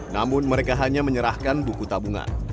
namun mereka hanya menyerahkan buku tabungan